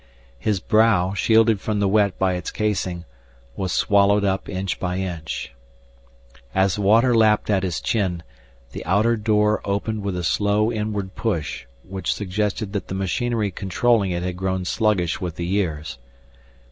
His brow, shielded from the wet by its casing, was swallowed up inch by inch. As the water lapped at his chin, the outer door opened with a slow inward push which suggested that the machinery controlling it had grown sluggish with the years.